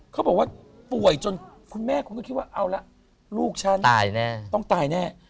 เขาบอกว่าป่วยจนคุณแม่คุณก็คิดว่าเอาละลูกฉันตายแน่ต้องตายแน่